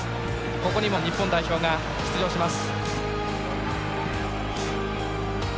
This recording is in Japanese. ここにも日本代表が出場します。